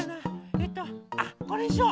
えっとあこれにしよう！